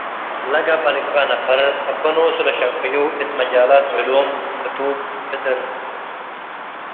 ለገብአ ልግበእ ነፈር እበ ኖሱ ለሸቀዩ እት መጃላት ዕሉም፡ ክቱብ ፍጥር